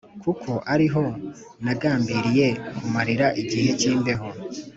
kuko ari ho nagambiriye kumarira igihe cy’imbeho.